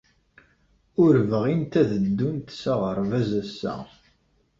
Ur bɣint ad ddunt s aɣerbaz ass-a.